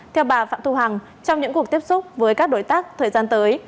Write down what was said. theo bà phạm thu hằng trong những cuộc tiếp xúc với các đối tác thời gian tới